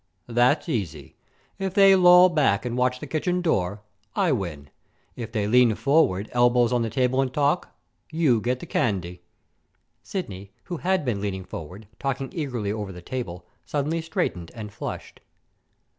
"That's easy. If they loll back and watch the kitchen door, I win. If they lean forward, elbows on the table, and talk, you get the candy." Sidney, who had been leaning forward, talking eagerly over the table, suddenly straightened and flushed.